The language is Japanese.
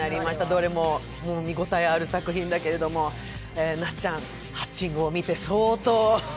どれも見応えある作品だけれども、なっちゃん、「ハッチング」を見て相当。